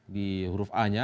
di huruf a nya